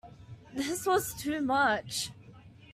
This was too much.